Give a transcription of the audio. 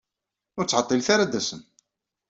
Ur ttɛeḍḍilet ara ad d-tasem.